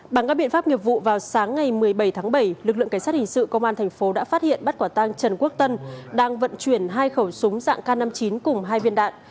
bằng các biện pháp nghiệp vụ vào sáng ngày một mươi bảy tháng bảy lực lượng cảnh sát hình sự công an thành phố đã phát hiện bắt quả tang trần quốc tân đang vận chuyển hai khẩu súng dạng k năm mươi chín cùng hai viên đạn